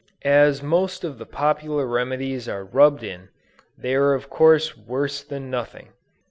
As most of the popular remedies are rubbed in, they are of course worse than nothing.